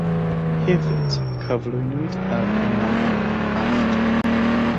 Hefyd, cyflwynwyd yr Unawdwyr archtop.